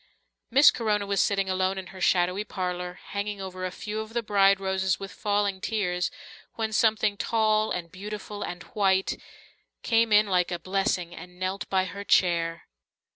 Miss Corona was sitting alone in her shadowy parlour, hanging over a few of the bride roses with falling tears, when something tall and beautiful and white, came in like a blessing and knelt by her chair.